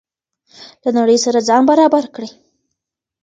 له نړۍ سره ځان برابر کړئ.